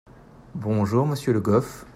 Bonjour monsieur Le Goff.